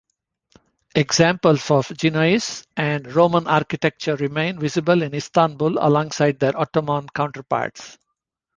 Examples of Genoese and Roman architecture remain visible in Istanbul alongside their Ottoman counterparts.